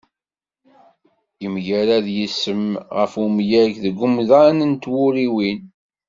Yemgarad yisem ɣef umyag deg umḍan n twuriwin.